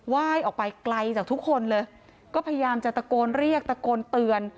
ว่ายออกไปไกลจากทุกคนเลยก็พยายามจะตะโกนเรียกตะโกนเตือน